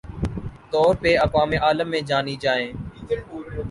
طور پہ اقوام عالم میں جانی جائیں